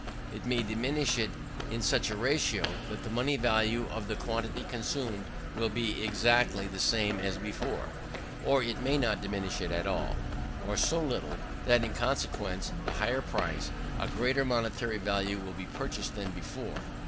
It may diminish it in such a ratio, that the money value of the quantity consumed will be exactly the same as before. Or it may not diminish it at all, or so little, that, in consequence of the higher price, a greater money value will be purchased than before.